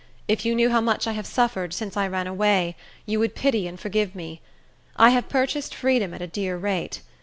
If you knew how much I have suffered since I ran away, you would pity and forgive me. I have purchased freedom at a dear rate.